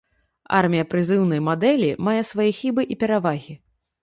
Армія прызыўнай мадэлі мае свае хібы і перавагі.